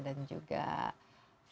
dan juga pak fahri